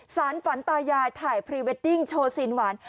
สารฝันตายายถ่ายพรีเวดดิ้งโชว์ซีนหวาน